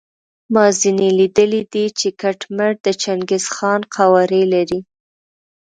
ما ځینې لیدلي دي چې کټ مټ د چنګیز خان قوارې لري.